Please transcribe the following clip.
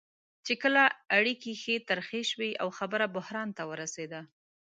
چې کله اړیکې ښې ترخې شوې او خبره بحران ته ورسېده.